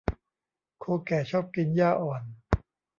โคแก่ชอบกินหญ้าอ่อน